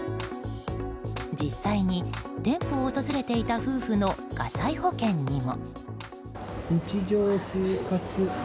実際に店舗に訪れていた夫婦の火災保険にも。